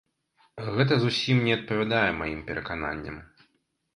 Гэта зусім не адпавядае маім перакананням.